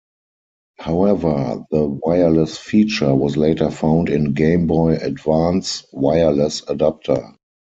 However, the wireless feature was later found in Game Boy Advance Wireless Adapter.